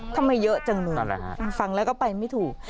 ทำไมเยอะจังเลยฮะฟังแล้วก็ไปไม่ถูก